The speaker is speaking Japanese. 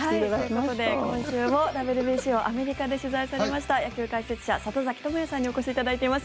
ということで今週もＷＢＣをアメリカで取材されました野球解説者、里崎智也さんにお越しいただいています。